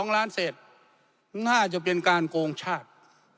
๒ล้านเศษน่าจะเป็นการโกงชาติ